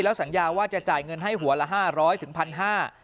สัญญาว่าจะจ่ายเงินให้หัวละห้าร้อยถึงพันห้า